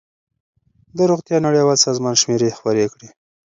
د روغتیا نړیوال سازمان شمېرې خپرې کړې.